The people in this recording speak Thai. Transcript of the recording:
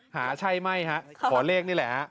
หาใช่ไหมขอเลขนี่แหละ